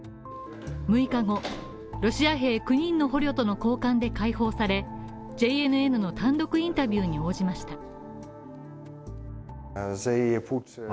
６日後、ロシア兵９人の捕虜との交換で解放されＪＮＮの単独インタビューに応じました。